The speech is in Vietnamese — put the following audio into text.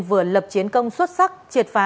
vừa lập chiến công xuất sắc triệt phá